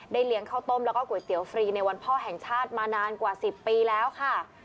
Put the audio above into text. เลี้ยงข้าวต้มแล้วก็ก๋วยเตี๋ยวฟรีในวันพ่อแห่งชาติมานานกว่า๑๐ปีแล้วค่ะ